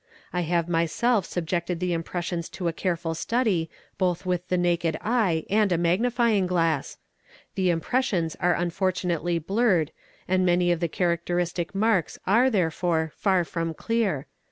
I have myself subjected the impressions to a careful study both with the naked eye and a agnifying glass. The impressions are unfortunately blurred and any of the characteristic marks are, therefore, far from clear.